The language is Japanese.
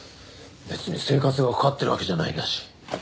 別に生活がかかってるわけじゃないんだし。